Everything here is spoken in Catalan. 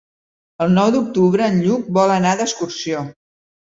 El nou d'octubre en Lluc vol anar d'excursió.